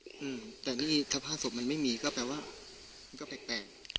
อืมแต่นี่สภาพศพมันไม่มีก็แปลว่ามันก็แปลกแปลก